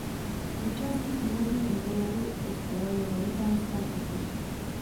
Součástí původního interiéru kostela je loretánská kaple.